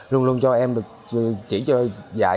luôn luôn cho em được chỉ dạy